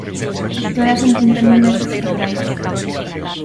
Actuarase en trinta mil metros cadrados.